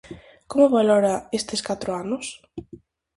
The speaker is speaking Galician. Como valora estes catro anos?